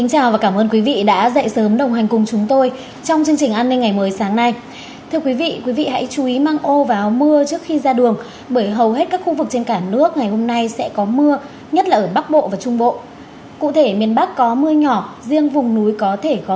hãy đăng ký kênh để ủng hộ kênh của chúng tôi nhé